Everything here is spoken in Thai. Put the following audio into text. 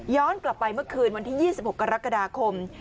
กลับไปเมื่อคืนวันที่๒๖กรกฎาคม